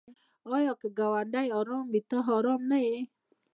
آیا که ګاونډی ارام وي ته ارام نه یې؟